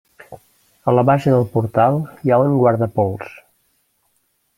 A la base del portal hi ha un guardapols.